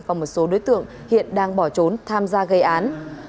và một số đối tượng hiện đang bỏ trốn tham gia gây án